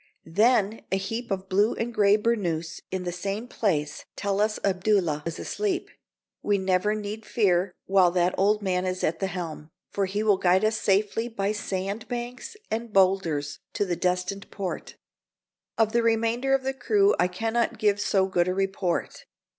Then a heap of blue and a gray burnoose in the same place tell us Abdullah is asleep. We need never fear while that old man is at the helm, for he will guide us safely by sand banks and bowlders to the destined port. Of the remainder of the crew I can not give so good a report.